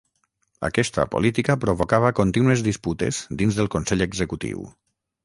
Aquesta política provocava contínues disputes dins del Consell Executiu.